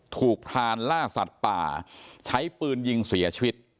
พรานล่าสัตว์ป่าใช้ปืนยิงเสียชีวิต